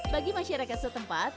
bagi masyarakat setempat